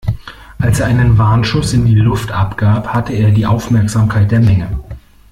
Als er einen Warnschuss in die Luft abgab, hatte er die Aufmerksamkeit der Menge.